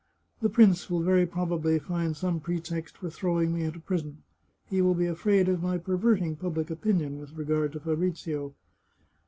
The prince will very probably find some pretext for throwing me into prison. He will be afraid of my perverting public opinion with re gard to Fabrizio.